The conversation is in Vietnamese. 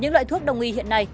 những loại thuốc đồng y hiện nay